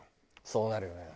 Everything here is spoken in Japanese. そうなるよね。